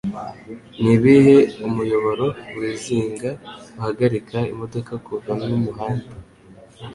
Nibihe Umuyoboro Wizinga Uhagarika Imodoka Kuva Numuhanda